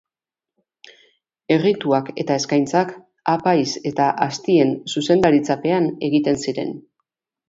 Errituak eta eskaintzak apaiz eta aztien zuzendaritzapean egiten ziren.